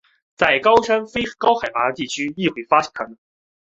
在高山气候非高海拔的地区亦会发现它们。